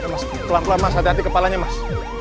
mas pelan pelan mas hati hati kepalanya mas